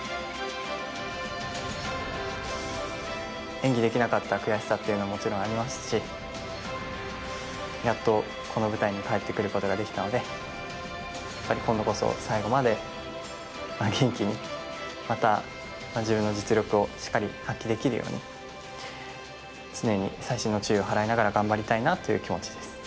演技できなかった悔しさっていうのもちろんありますしやっとこの舞台に帰ってくることができたのでやっぱり今度こそ最後までまあ元気にまた自分の実力をしっかり発揮できるように常に細心の注意を払いながら頑張りたいなという気持ちです。